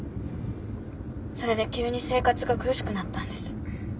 それで急に生活が苦しくなったんです。